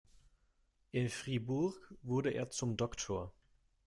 In Fribourg wurde er zum "Dr.